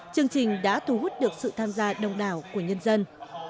chương trình đã thu hút được sự tham gia đông đảo của nhân dân